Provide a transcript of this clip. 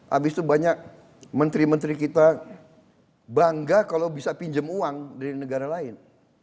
habis itu banyak menteri menteri kita bangga kalau bisa pinjam uang dari negara lain